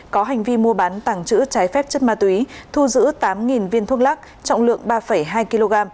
có hành vi mua bán tàng trữ trái phép chất ma túy thu giữ tám viên thuốc lắc trọng lượng ba hai kg